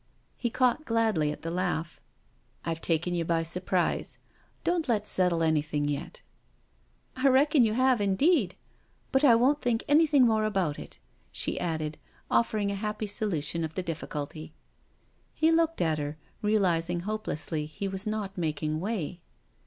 He caught gladly at the laugh: "I've taken you by surprise — don't let's settle anything yet." " I reckon you have, indeed — but I won't think any thing more about it," she added, offering a happy solu tion of the difficulty. He looked at her, realising hopelessly he was not making way.